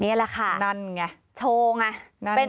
นี่แหละค่ะนั่นไงโชว์ไง